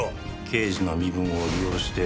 刑事の身分を利用して。